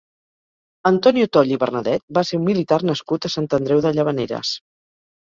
Antonio Toll i Bernadet va ser un militar nascut a Sant Andreu de Llavaneres.